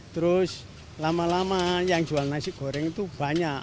terus lama lama yang jual nasi goreng itu banyak